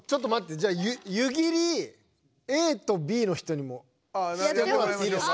じゃあ湯切りＡとＢの人にもしてもらっていいですか？